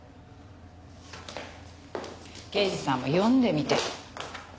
刑事さんも読んでみてよ。